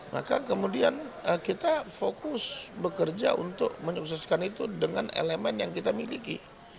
maka kemudian kita fokus bekerja untuk menyukseskan itu dengan elemen yang kita miliki